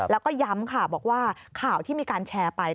แล้วก็ย้ำค่ะบอกว่าข่าวที่มีการแชร์ไป